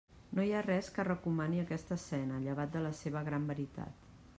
No hi ha res que recomani aquesta escena llevat de la seva gran veritat.